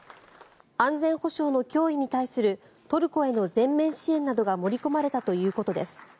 安全保障の脅威に対するトルコへの全面支援などが盛り込まれたということです。